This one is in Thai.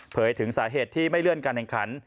ถึงสาเหตุที่ไม่เลื่อนการแข่งขัน